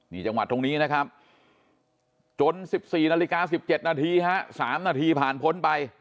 นี่จังหวัดตรงนี้นะครับจน๑๔นาฬิกา๑๗นาทีฮะ๓นาทีผ่านพ้นไป